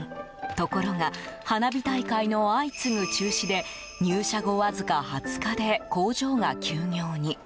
ところが花火大会の相次ぐ中止で入社後わずか２０日で工場が休業に。